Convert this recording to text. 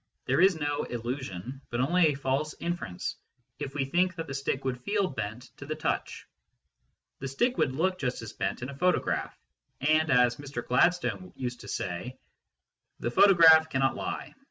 There is no " illusion/ but only a false inference, if we think that the stick would feel bent to the touch. The stick would look just as bent in a photo graph, and, as Mr. Gladstone used to say, " the photo graph cannot lie."